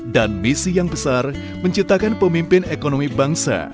dan misi yang besar menciptakan pemimpin ekonomi bangsa